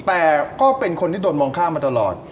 แต่ก็เป็นคนที่โดนมองข้ามมาตลอด